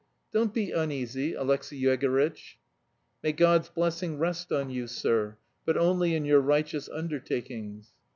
"Don't be uneasy, Alexey Yegorytch." "May God's blessing rest on you, sir, but only in your righteous undertakings."